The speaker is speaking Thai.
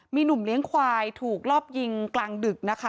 มีหนุ่มเลี้ยงควายถูกรอบยิงกลางดึกนะคะ